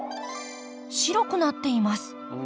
白くなっています。